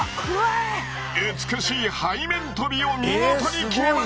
美しい背面飛びを見事に決めました！